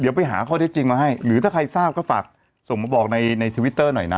เดี๋ยวไปหาข้อเท็จจริงมาให้หรือถ้าใครทราบก็ฝากส่งมาบอกในทวิตเตอร์หน่อยนะ